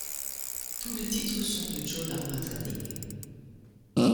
Tous les titres sont de Joan Armatrading.